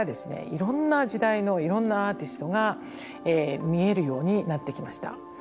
いろんな時代のいろんなアーティストが見えるようになってきました。